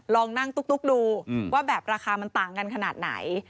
ลองนั่งตุ๊กดูว่าแบบราคามันต่างกันขนาดไหน